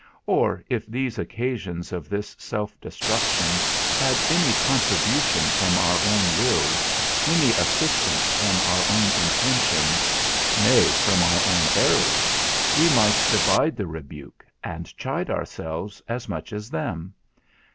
Or if these occasions of this self destruction had any contribution from our own wills, any assistance from our own intentions, nay, from our own errors, we might divide the rebuke, and chide ourselves as much as them.